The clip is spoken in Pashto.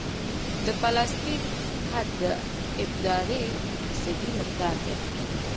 د پلاستیک حد د ابدارۍ د فیصدي مقدار دی